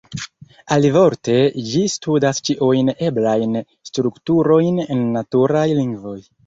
Alivorte, ĝi studas ĉiujn eblajn strukturojn en naturaj lingvoj.